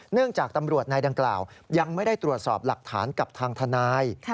เนื่องจากตำรวจนายดังกล่าวยังไม่ได้ตรวจสอบหลักฐานกับทางทนาย